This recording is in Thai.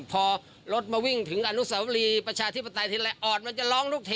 พอรถมาวิ่งถึงอนุสาวรีประชาธิปไตยทีไรอ่อนมันจะร้องทุกที